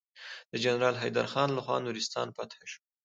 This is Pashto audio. د جنرال حيدر خان لخوا نورستان فتحه شو.